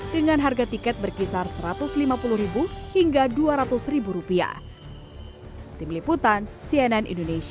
dengan harga tiket berkisar satu ratus lima puluh hingga dua ratus rupiah